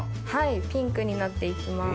ピンクになって行きます。